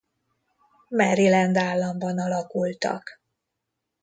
Maryland államban alakultak.